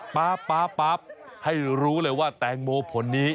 ติดป๊าบป๊าบป๊าบให้รู้เลยว่าแตงโมผลนี้